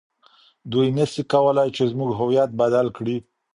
دوی نسي کولای چي زموږ هویت بدل کړي.